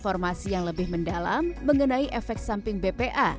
informasi yang lebih mendalam mengenai efek samping bpa